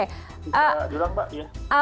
kita dulang mbak ya